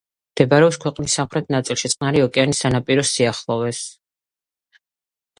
მდებარეობს ქვეყნის სამხრეთ ნაწილში, წყნარი ოკეანის სანაპიროს სიახლოვეს.